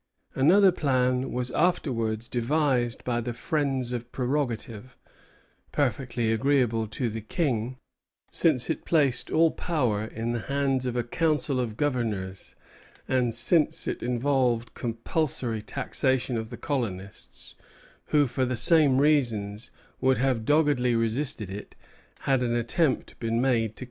Another plan was afterwards devised by the friends of prerogative, perfectly agreeable to the King, since it placed all power in the hands of a council of governors, and since it involved compulsory taxation of the colonists, who, for the same reasons, would have doggedly resisted it, had an attempt been made to carry it into effect.